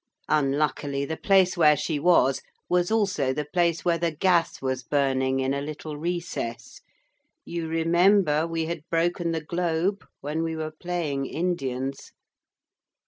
Unluckily the place where she was, was also the place where the gas was burning in a little recess. You remember we had broken the globe when we were playing Indians.